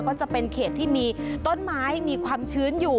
ก็จะเป็นเขตที่มีต้นไม้มีความชื้นอยู่